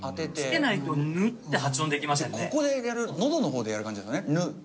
ここでやるのどの方でやる感じなんですね。